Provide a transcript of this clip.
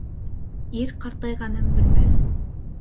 Ир ҡартайғанын белмәҫ.